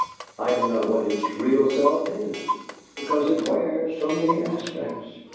I don't know what its real self is, because it wears so many aspects.